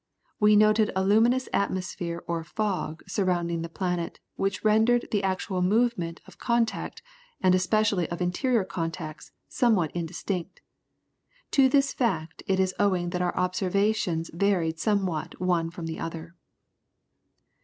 We noted a luminous atmosphere or fog surrounding the planet, which rendered the actual moment of contact and especially of interior contacts somewhat indistinct. To this fact it is owing that our observations varied somewhat one from the other."